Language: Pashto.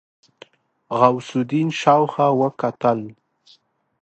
غوث الدين شاوخوا وکتل.